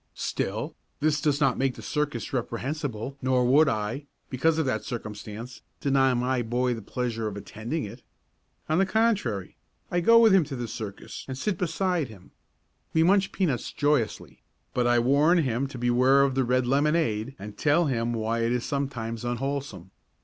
Still, this does not make the circus reprehensible nor would I, because of that circumstance, deny my boy the pleasure of attending it. On the contrary, I go with him to the circus and sit beside him. We munch peanuts joyously, but I warn him to beware of the red lemonade and tell him why it is sometimes unwholesome.